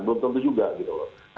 belum tentu juga gitu loh